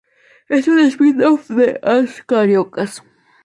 Es un spin-off de "As Cariocas".